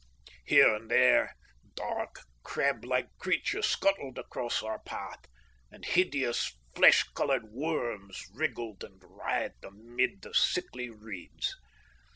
Here and there dark, crab like creatures scuttled across our path, and hideous, flesh coloured worms wriggled and writhed amid the sickly reeds.